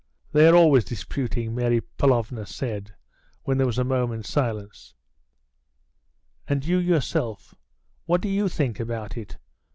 "They are always disputing," Mary Pavlovna said, when there was a moment's silence. "And you yourself, what do you think about it?"